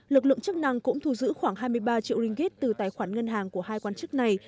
lực lượng chức năng cũng thu giữ khoảng hai mươi ba triệu ringgit từ tài khoản ngân hàng của hai quan chức này